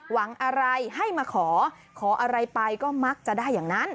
หวังอะไรให้มาขอขออะไรไปก็มักจะได้อย่างนั้น